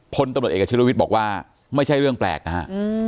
พลตำรวจเอกชิลวิทย์บอกว่าไม่ใช่เรื่องแปลกนะฮะ